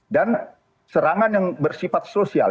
dan serangan yang bersifat sosial